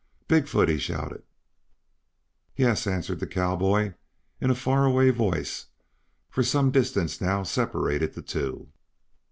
"Big foot!" he shouted. "Yes?" answered the cowboy, in a far away voice, for some distance now separated the two.